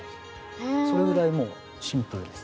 それぐらいもうシンプルです。